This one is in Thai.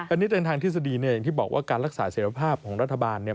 อันนี้ในทางทฤษฎีเนี่ยอย่างที่บอกว่าการรักษาเสร็จภาพของรัฐบาลเนี่ย